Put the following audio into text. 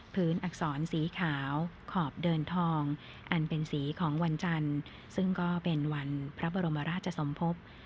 อักษรสีขาวขอบเดินทองอันเป็นสีของวันจันทร์ซึ่งก็เป็นวันพระบรมราชสมภพ